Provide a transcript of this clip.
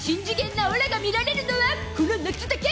なオラが見られるのは、この夏だけ！